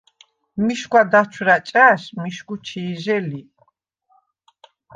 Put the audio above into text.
მიშგვა დაჩვრა̈ ჭა̈შ მიშგუ ჩი̄ჟე ლი.